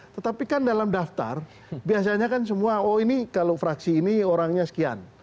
tetapi kan dalam daftar biasanya kan semua oh ini kalau fraksi ini orangnya sekian